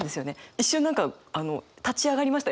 一瞬何か立ち上がりました